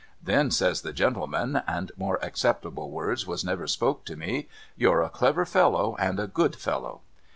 ' Then,' says the gentleman, and more acceptable words was never spoke to me, 'you're a clever fellow, and a good fellow.'